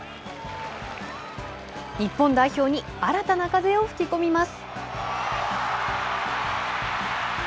日本代表に新たな風を吹き込みます。